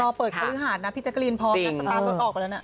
รอเปิดฮรือหาดนะพี่จักรีนพอนะสตาร์ทรวดออกไปแล้วน่ะ